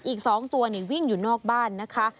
อีก๒ตัววิ่งอยู่นอกบ้านนะคะ